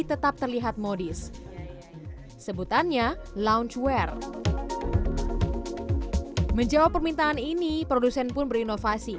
tetap terlihat modis sebutannya loungewear menjawab permintaan ini produsen pun berinovasi